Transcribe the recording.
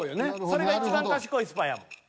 それがいちばん賢いスパイやもん。